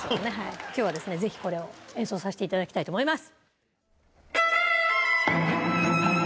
今日はぜひこれを演奏させていただきたいと思います。